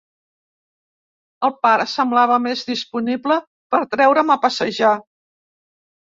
El pare semblava més disponible per treure'm a passejar.